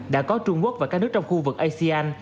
đã có trung quốc và các nước trong khu vực asean